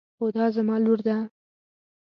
هُدا زما لور ده.